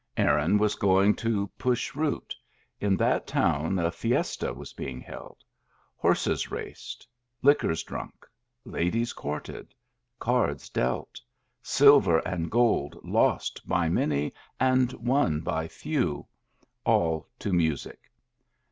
Aaron was going to Push Root. In that town 2i fiesta was being held; horses raced, liquors drunk, ladies courted, cards dealt, silver and gold lost by many and won by few, all to mu sic.